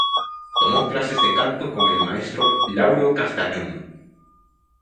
Tomó clases de canto con el maestro Lauro Castañón.